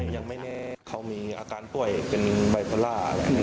ยังไม่แน่เขามีอาการป่วยเป็นไบโพล่า